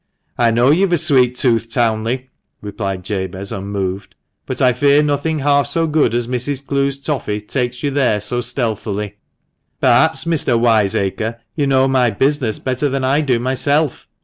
" I know you've a sweet tooth, Townley," replied Jabez, unmoved, " but I fear nothing half so good as Mrs. Clowes' toffy takes you there so stealthily." "Perhaps, Mr. Wiseacre, you know my business better than I do myself?"